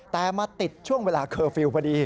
แต่มาติดช่วงเวลาเคอร์ฟิลล์พอดี